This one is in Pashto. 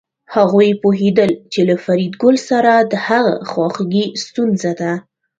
هغوی پوهېدل چې له فریدګل سره د هغه خواخوږي ستونزه ده